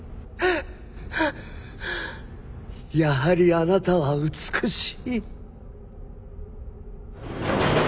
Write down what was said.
やはりあなたは美しい。